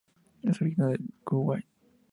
Es original de Kuwait.